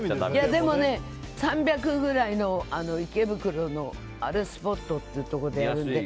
でもね、３００ぐらいの池袋のあうるすぽっとっていうところでやるので。